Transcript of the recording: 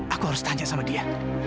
aku harus tanya sama dia